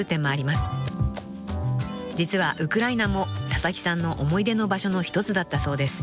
［実はウクライナも佐々木さんの思い出の場所の一つだったそうです］